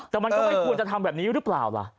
แต่มันก็ไม่ควรจะทำแบบนี้หรือเปล่าล่ะ